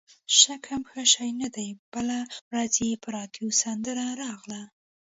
شک هم ښه شی نه دی، بله ورځ یې په راډیو سندره راغله.